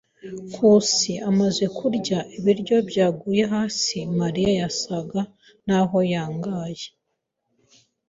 Nkusi amaze kurya ibiryo byaguye hasi, Mariya yasaga naho yangaye.